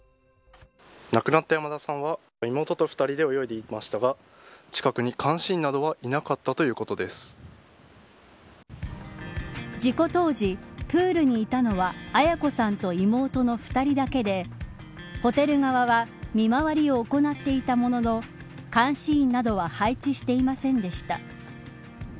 亡くなった山田さんは妹と２人で泳いでいましたが近くに監視員などはいなかったということ事故当時、プールにいたのは絢子さんと妹の２人だけでホテル側は見回りを行っていたものの監視員などは配置していませんでした。